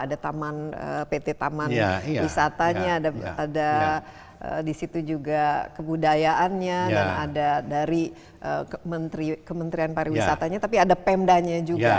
ada pt taman wisatanya ada di situ juga kebudayaannya dan ada dari kementerian pariwisatanya tapi ada pemdanya juga